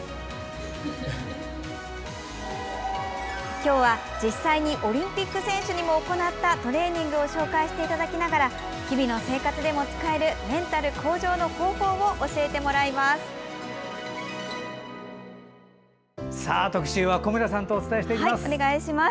今日は、実際にオリンピック選手にも行ったトレーニングを紹介していただきながら日々の生活でも使えるメンタル向上の方法を教えてもらいます。